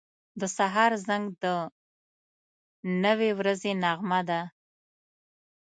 • د سهار زنګ د نوې ورځې نغمه ده.